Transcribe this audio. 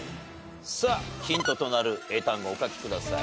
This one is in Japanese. さあヒントとなる英単語をお書きください。